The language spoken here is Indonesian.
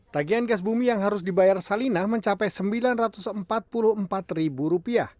tagihan gas bumi yang harus dibayar salina mencapai rp sembilan ratus empat puluh empat